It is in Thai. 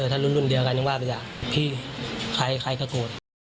ถ้ารุ่นรุ่นเดียวกันยังว่าไปจากพี่ใครใครก็โกรธ